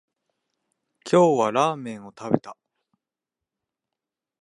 今日はラーメンを食べた